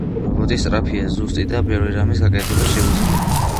რობოტი სწრაფია, ზუსტი და ბევრი რამის გაკეთება შეუძლია.